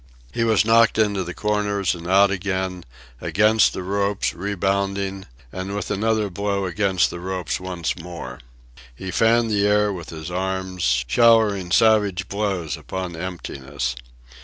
He was knocked into the corners and out again, against the ropes, rebounding, and with another blow against the ropes once more. He fanned the air with his arms, showering savage blows upon emptiness.